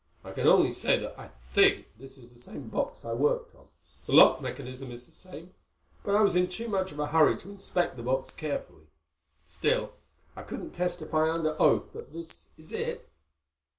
"I can only say that I think this is the same box I worked on. The lock mechanism is the same. But I was in too much of a hurry to inspect the box carefully. Still, I couldn't testify under oath that this is it."